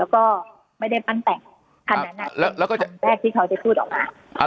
ก็ไม่ได้ปั้นแต่งขนาดนั้นเป็นคำแรกที่เขาจะพูดออกมา